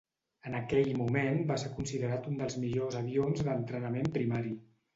En aquell moment va ser considerat un dels millors avions d'entrenament primari.